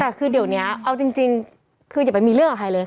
แต่คือเดี๋ยวนี้เอาจริงคืออย่าไปมีเรื่องกับใครเลย